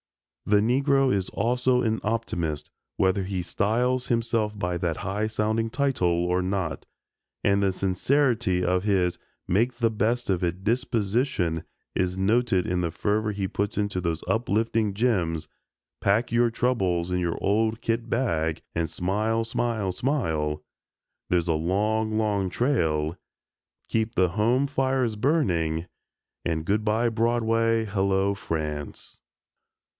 The Negro is also an optimist, whether he styles himself by that high sounding title or not, and the sincerity of his "make the best of it" disposition is noted in the fervor he puts into those uplifting gems, "Pack Up Your Troubles in Your Old Kit Bag and Smile, Smile, Smile," "There's a Long, Long Trail," "Keep the Home Fires Burning," and "Good bye Broadway, Hello France."